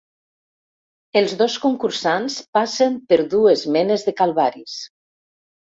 Els dos concursants passen per dues menes de calvaris.